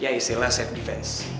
yaisilah safe defense